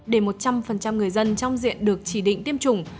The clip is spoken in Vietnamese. để một trăm linh người dân trong diện được chỉ định tiêm chủng